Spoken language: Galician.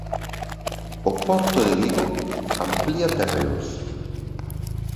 O Porto de Vigo amplía terreos.